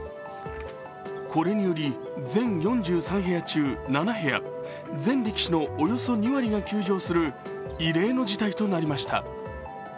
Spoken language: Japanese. これにより全４３部屋中７部屋、全力士のおよそ２割が休場する異例の事態となりました。